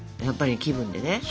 やっぱり気分でね。